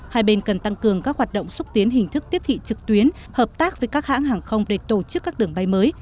hai bên cần tăng cường các hoạt động xúc tiến hình thức tiếp thị trực tuyến hợp tác với các hãng hàng không để tổ chức các đường bay mới